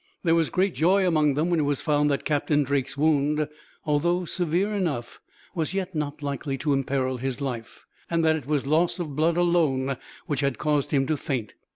There was great joy among them when it was found that Captain Drake's wound, although severe enough, was yet not likely to imperil his life; and that it was loss of blood, alone, which had caused him to faint.